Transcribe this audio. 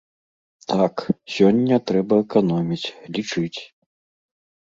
Так, сёння трэба эканоміць, лічыць.